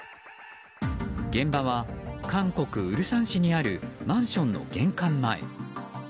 現場は韓国ウルサン市にあるマンションの玄関前。